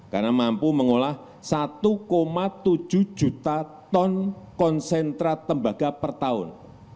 karena mampu mengolah satu tujuh juta ton konsentrat tembaga per tahun